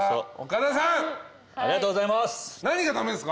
ありがとうございます。